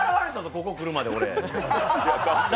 ここ来るまで、俺。